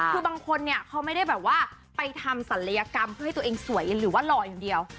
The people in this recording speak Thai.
คือบางคนเนี่ยเขาไม่ได้แบบว่าไปทำศัลยกรรมเพื่อให้ตัวเองสวยหรือว่าหล่ออย่างเดียว